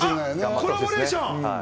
コラボレーション。